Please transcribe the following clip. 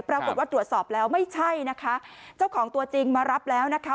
ปรากฏว่าตรวจสอบแล้วไม่ใช่นะคะเจ้าของตัวจริงมารับแล้วนะคะ